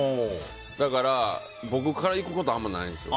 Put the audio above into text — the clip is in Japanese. だから、僕から行くことはあんまりないんですよ。